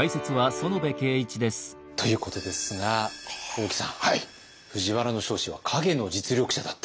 ということですが大木さん藤原彰子は陰の実力者だった。